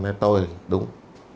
nói tôi đúng